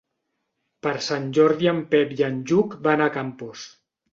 Per Sant Jordi en Pep i en Lluc van a Campos.